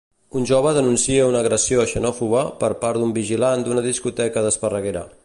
Un jove denuncia una agressió xenòfoba per part d'un vigilant d'una discoteca d'Esparreguera.